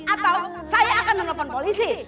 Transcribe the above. atau saya akan menelpon polisi